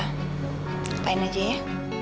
lepain aja ya